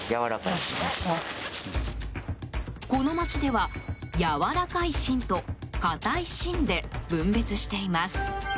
この町では、やわらかい芯と硬い芯で分別しています。